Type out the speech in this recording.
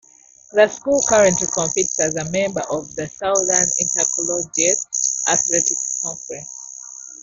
The school currently competes as a member of the Southern Intercollegiate Athletic Conference.